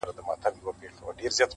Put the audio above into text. قلندر پر کرامت باندي پښېمان سو؛